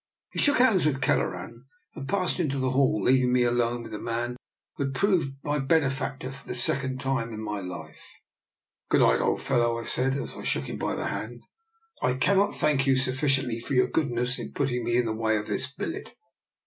He shook hands with Kelleran, and passed into the hall, leaving me alone with the man who had proved my benefactor for the sec ond time in my life. DR. NIKOLA'S EXPERIMENT. 63 " Good night, old fellow/* I said, as I shook him by the hand. " I cannot thank you sufficiently for your goodness in putting me in the way of this billet.